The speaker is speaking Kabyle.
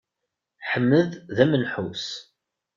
Ḥmed d amenḥus.